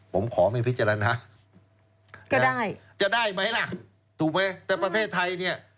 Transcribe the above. ผมขอไม่พิจารณาก็ได้จะได้ไหมล่ะถูกไหมแต่ประเทศไทยเนี่ย